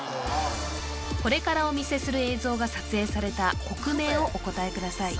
これからお見せする映像が撮影された国名をお答えください